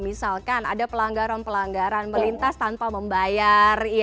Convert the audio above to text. misalkan ada pelanggaran pelanggaran melintas tanpa membayar